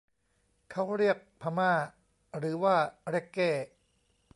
เค้าเรียกพม่าหรือว่าเร็กเก้ !